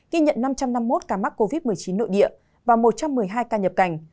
ghi nhận năm trăm năm mươi một ca mắc covid một mươi chín nội địa và một trăm một mươi hai ca nhập cảnh